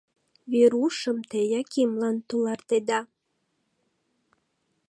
— Верушым те Якимлан тулартеда.